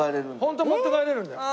本当に持って帰れるんだよ。